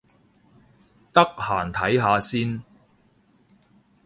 得閒睇下先